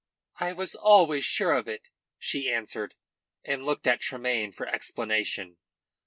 "I was always sure of it," she answered, and looked at Tremayne for explanation.